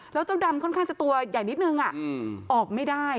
แล้วเจ้าดำค่อนข้างจะตัวใหญ่นิดนึงออกไม่ได้